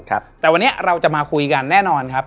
แต่วันนี้เราจะมาคุยกันแน่นอนครับ